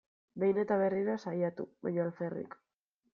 Behin eta berriro saiatu, baina alferrik.